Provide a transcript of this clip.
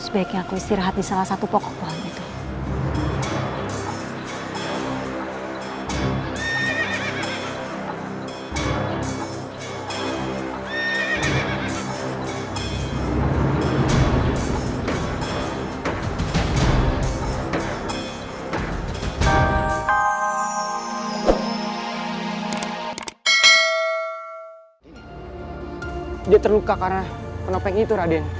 sebaiknya aku istirahat di salah satu pokok tuhan itu